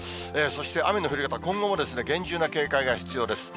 そして雨の降り方、今後も厳重な警戒が必要です。